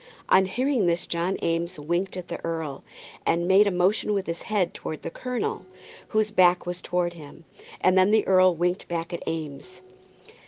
On hearing this John Eames winked at the earl, and made a motion with his head towards the colonel, whose back was turned to him. And then the earl winked back at Eames.